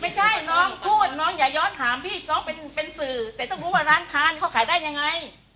ไม่ใช่น้องพูดน้องอย่าย้อนถามพี่น้องเป็นสื่อแต่ต้องรู้ว่าร้านค้านเขาขายได้ยังไง